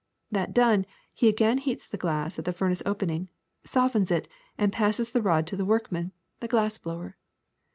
That done, he again heats the glass at the furnace opening, softens it, and passes the rod to the workman, the glass blower.